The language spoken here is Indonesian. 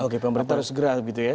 oke pemberitahuan segera gitu ya